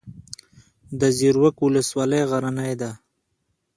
د زیروک ولسوالۍ غرنۍ ده